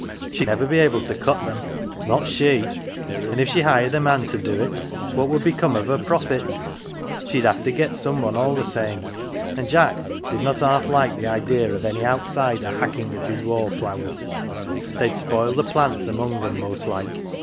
She'd never be able to cut them, not she ! And if she hired a man to do it, what would be come of her pro fit? SheMhave to get some one all the same, and Jack did not half like the idea of any outsider hacking at his wallflowers they'd spoil the plants among them, most like.